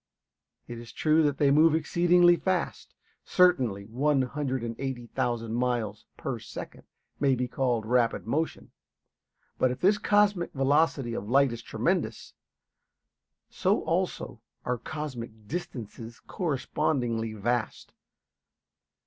It is true that they move exceeding fast; certainly 180,000 miles per second may be called rapid motion. But if this cosmic velocity of light is tremendous, so also are cosmic distances correspondingly vast.